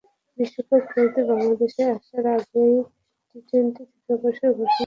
বিশ্বকাপ খেলতে বাংলাদেশে আসার আগেই টি-টোয়েন্টি থেকে অবসরের ঘোষণা দিয়ে এসেছিলেন সাঙ্গাকারা।